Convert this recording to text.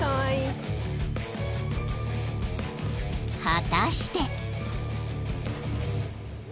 ［果たして］